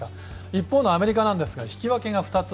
一方のアメリカなんですが引き分けが２つ。